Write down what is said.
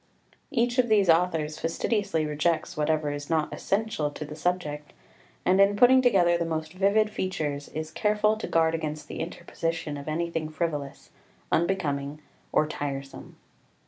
Each of these authors fastidiously rejects whatever is not essential to the subject, and in putting together the most vivid features is careful to guard against the interposition of anything frivolous, unbecoming, or tiresome.